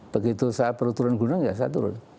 begitu saat peruturan gunung ya saya turun